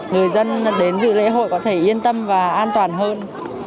người dân đến dự lễ hội có thể yên tâm và an toàn hơn